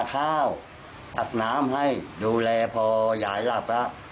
หาข้าวหาข้าวจัดน้ำให้ดูแลพอยายหลับแล้ว